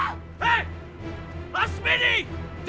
apa yang berlaku